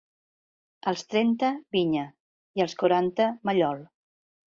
Als trenta, vinya, i als quaranta, mallol.